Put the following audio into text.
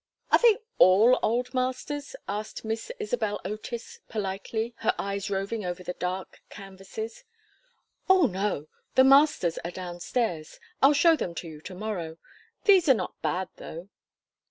"Are they all old masters?" asked Miss Isabel Otis, politely, her eyes roving over the dark canvases. "Oh no; the masters are down stairs. I'll show them to you to morrow. These are not bad, though."